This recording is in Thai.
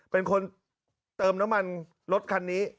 เป็นคนเติมน้ำมันรถคันนี้